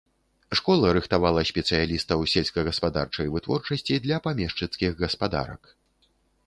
Школа рыхтавала спецыялістаў сельскагаспадарчай вытворчасці для памешчыцкіх гаспадарак.